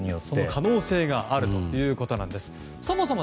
可能性があるということなんです。